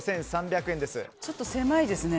ちょっと狭いですね。